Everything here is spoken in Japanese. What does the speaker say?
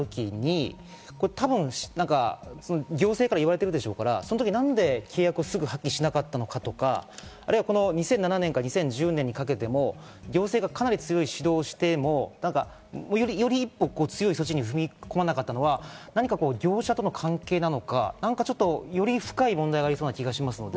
譲り受けた時に行政から言われているでしょうから、その時、何で契約をすぐに破棄しなかったのかとか、２００７年から２０１０年にかけても行政がかなり強い指導をしてもより一歩強い措置に踏み込まなかったのは、何か業者との関係なのか、より深い問題がありそうな気がする。